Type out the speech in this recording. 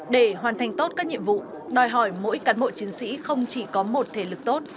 để hoàn thành tốt các nhiệm vụ đòi hỏi mỗi cán bộ chiến sĩ không chỉ có một thể lực tốt